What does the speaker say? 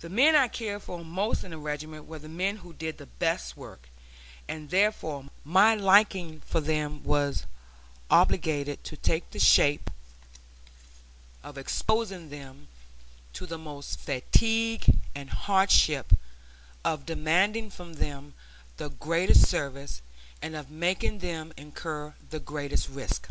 The men I cared for most in the regiment were the men who did the best work; and therefore my liking for them was obliged to take the shape of exposing them to the most fatigue and hardship, of demanding from them the greatest service, and of making them incur the greatest risk.